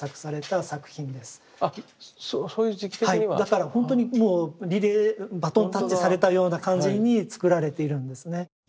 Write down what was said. だからほんとにもうリレーバトンタッチされたような感じに作られているんですね。